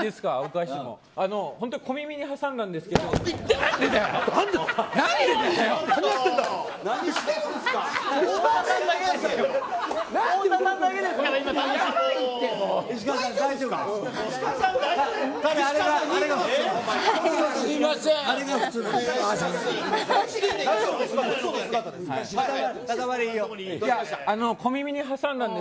すいません。